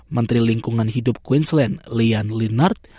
menteri lingkungan hidup queensland leanne leonard